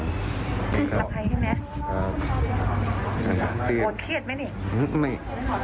อภัยใช่ไหมโหดเครียดไหมนี่